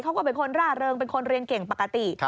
เขาก็เป็นคนร่าเริงเป็นคนเรียนเก่งปกติ